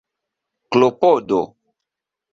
klopodo